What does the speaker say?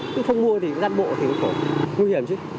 cứ không mua thì gian bộ thì cũng khổ nguy hiểm chứ